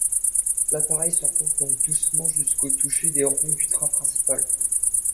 L'appareil s'enfonce donc doucement jusqu'au touché des roues du train principal.